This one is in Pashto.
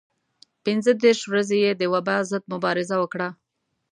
پنځه دېرش ورځې یې د وبا ضد مبارزه وکړه.